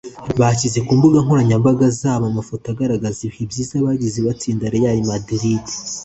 bashyize ku mbuga nkoranyambaga zabo amafoto agaragaza ibihe byiza bagize batsinda real Madrid